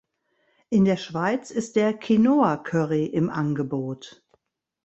In der Schweiz ist der „Quinoa Curry“ im Angebot.